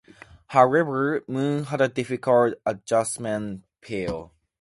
However, Moon had a difficult adjustment period.